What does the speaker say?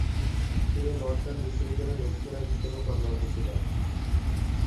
তিনি নর্দান বিশ্ববিদ্যালয়ে লেকচারার হিসেবেও কর্মরত ছিলেন।